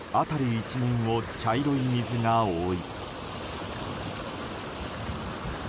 一面を茶色い水が覆い。